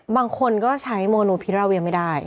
บางคนก็ใช้โมนูพิราเวียไม่ได้